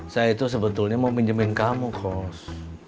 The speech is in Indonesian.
saya itu sebetulnya mau pinjemin kamu kos